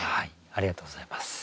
ありがとうございます。